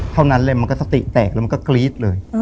เท่านั้นเลยมันก็สติแตกแล้วมันก็กรี๊ดเลย